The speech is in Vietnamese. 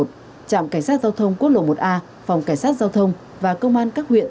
trạm cảnh sát giao thông quốc lộ một a phòng cảnh sát giao thông và công an các huyện